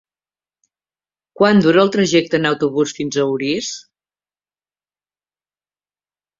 Quant dura el trajecte en autobús fins a Orís?